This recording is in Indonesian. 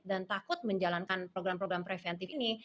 dan takut menjalankan program program preventif ini